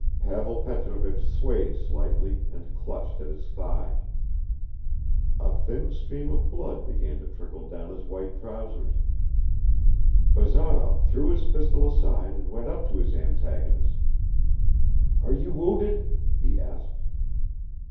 Pavel Petrovich swayed slightly and clutched at his thigh. A thin stream of blood began to trickle down his white trousers. Bazarov threw his pistol aside and went up to his antagonist. "Are you wounded?" he asked.